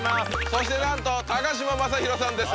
そしてなんと嶋政宏さんです